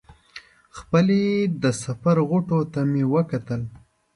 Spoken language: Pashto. خپلې د سفر غوټو ته به مې وکتل.